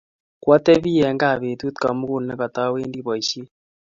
kwa tebi eng kaa petut komugul ne katawendi boishet